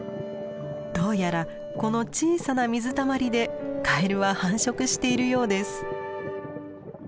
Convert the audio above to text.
どうやらこの小さな水たまりでカエルは繁殖しているようです。